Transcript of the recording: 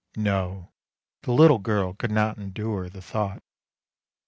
No, the little girl could not endure the thought.